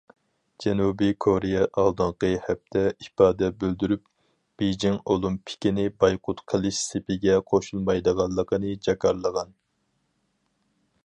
جەنۇبى كورېيە ئالدىنقى ھەپتە ئىپادە بىلدۈرۈپ بېيجىڭ ئولىمپىكىنى بايقۇت قىلىش سېپىگە قوشۇلمايدىغانلىقىنى جاكارلىغان.